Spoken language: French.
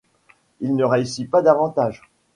Il ne réussit pas davantage.